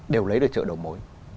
đều lấy được chợ đầu mối